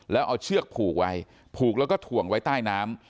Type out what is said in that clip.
แล้วเอาเชือกผูกไว้ผูกแล้วก็ถ่วงไว้ใต้น้ำ